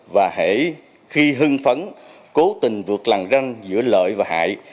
và hãy khi hưng phấn cố tình vượt làng ranh giữa lợi và hại